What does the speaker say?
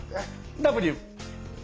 Ｗ！